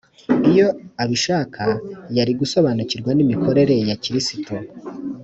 iyo abishaka yari gusobanukirwa n’imikorere ya kristo